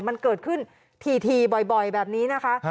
มันเกิดขึ้นถี่บ่อยแบบนี้นะคะ